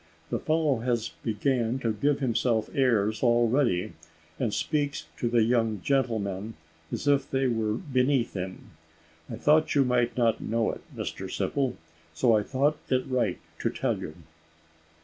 The fellow has began to give himself airs already, and speaks to the young gentlemen as if they were beneath him. I thought you might not know it, Mr Simple, so I thought it right to tell you."